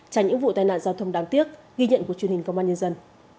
tránh những vụ tai nạn giao thông đáng tiếc ghi nhận của truyền hình công an nhân dân